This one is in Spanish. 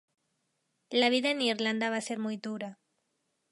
La vida en Irlanda va a ser muy dura.